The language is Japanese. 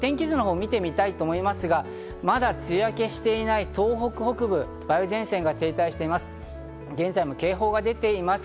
一方、天気図を見てみたいと思いますが、まだ梅雨明けをしていない東北北部、梅雨前線が停滞しています。